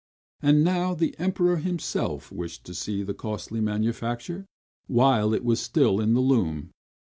And now the Emperor himself wished to see the costly manufacture, while it was still in the loom.